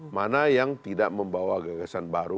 mana yang tidak membawa gagasan baru